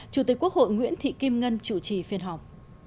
chủ tịch quốc hội nguyễn thị kim ngân chủ trì phiên họp